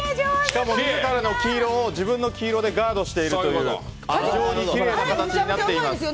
しかも、自らのストーンを自分の黄色でガードしている非常にきれいな形になっています。